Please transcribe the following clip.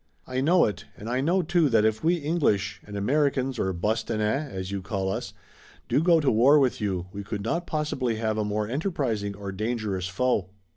"I know it, and I know, too, that if we English, and Americans or Bostonnais, as you call us, do go to war with you we could not possibly have a more enterprising or dangerous foe."